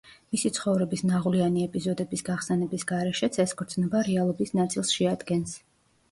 მისი ცხოვრების ნაღვლიანი ეპიზოდების გახსენების გარეშეც ეს გრძნობა რეალობის ნაწილს შეადგენს.